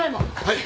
はい。